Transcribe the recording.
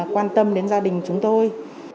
quan tâm đến gia đình chúng tôi